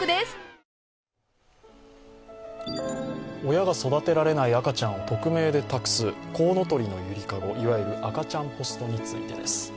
親が育てられない赤ちゃんを匿名で託すこうのとりのゆりかご、いわゆる赤ちゃんポストについてです。